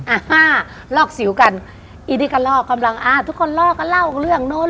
อ่าลอกสิวกันอีดีก็ลอกกำลังอ่าทุกคนล่อก็เล่าเรื่องนู้น